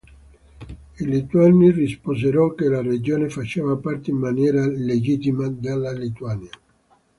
I lituani risposero che la regione faceva parte in maniera legittima della Lituania.